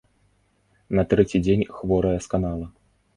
На трэці дзень хворая сканала.